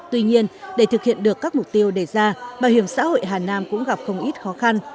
tuy nhiên để thực hiện được các mục tiêu đề ra bảo hiểm xã hội hà nam cũng gặp không ít khó khăn